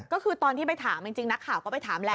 ก็คือตอนที่ไปถามจริงนักข่าวก็ไปถามแล้ว